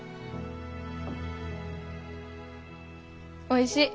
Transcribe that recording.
おいしい。